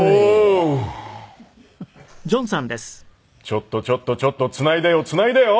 ちょっとちょっとちょっとつないでよつないでよ。